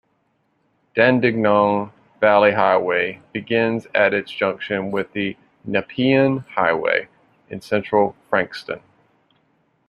Dandenong Valley Highway begins at its junction with the Nepean Highway, in central Frankston.